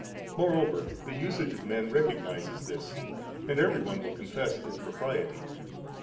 Moreover the usage of men recognises this, and every one will confess its propriety.